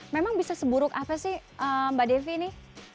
memang bisa seburuk apa sih mbak devi ini